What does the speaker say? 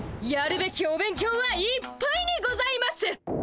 やるべきお勉強はいっぱいにございます！